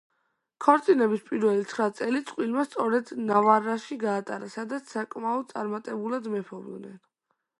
ქორწინების პირველი ცხრა წელი წყვილმა სწორედ ნავარაში გაატარა, სადაც საკმაოდ წარმატებულად მეფობდნენ.